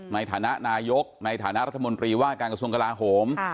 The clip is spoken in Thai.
ในฐานะนายกในฐานะรัฐมนตรีว่าการกระทรวงกลาโหม